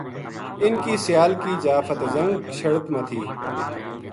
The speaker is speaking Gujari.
اِنھ کی سیال کی جا فتح جنگ شڑت ما تھی